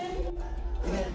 tidak ada masalah